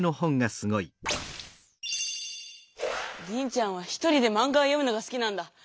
リンちゃんは１人でマンガを読むのがすきなんだ。